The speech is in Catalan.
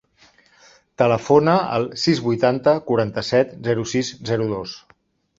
Telefona al sis, vuitanta, quaranta-set, zero, sis, zero, dos.